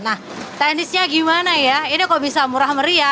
nah teknisnya gimana ya ini kok bisa murah meriah